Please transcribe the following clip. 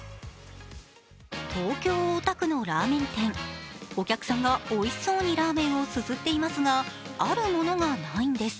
東京・大田区のラーメン店、お客さんがおいしそうにラーメンをすすっていますがあるものがないんです。